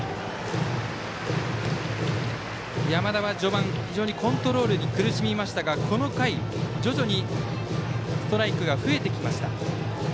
山田は序盤、非常にコントロールに苦しみましたがこの回、徐々にストライクが増えてきました。